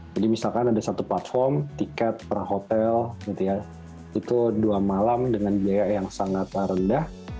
jadi misalkan ada satu platform tiket per hotel itu dua malam dengan biaya yang sangat rendah